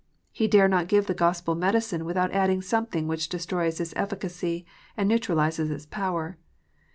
He dare not give the Gospel medicine, without adding something which destroys its efficacy, and neutralizes its power.